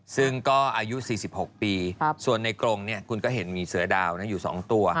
ซึ่งก็อายุ๔๖ปีส่วนในกรงคุณก็เห็นมีเสือดาวอยู่๒ตัว